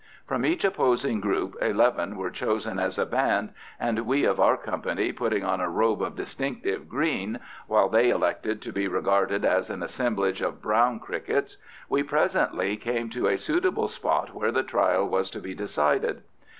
From each opposing group eleven were chosen as a band, and we of our company putting on a robe of distinctive green (while they elected to be regarded as an assemblage of brown crickets), we presently came to a suitable spot where the trial was to be decided.